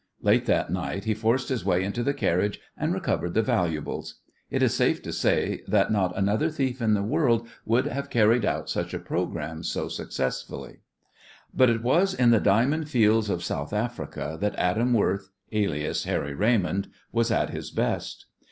Late that night he forced his way into the carriage, and recovered the valuables. It is safe to say that not another thief in the world would have carried out such a programme so successfully. But it was in the diamond fields of South Africa that Adam Worth, alias, Harry Raymond, was at his best.